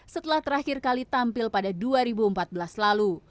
setelah terakhir kali tampil pada dua ribu empat belas lalu